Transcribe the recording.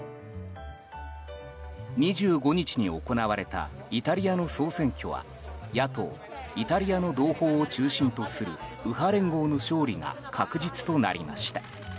２５日に行われたイタリアの総選挙は野党イタリアの同胞を中心とする右派連合の勝利が確実となりました。